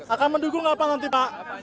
akan mendukung nggak pak nanti pak